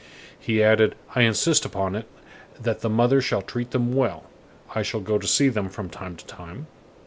He added: "I insist upon it that the mother shall treat them well. I shall go to see them from time to time."